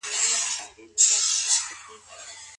د بلنې منل څنګه د خلګو اړيکې قوي کوي؟